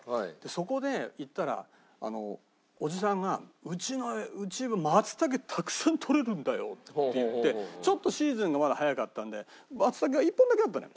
そこで行ったらおじさんが「うちはマツタケたくさん採れるんだよ」って言ってちょっとシーズンがまだ早かったんでマツタケが１本だけあったのよ。